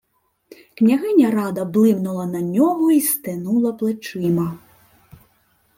Княгиня Рада блимнула на нього й стенула плечима.